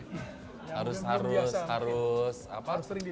harus harus harus apa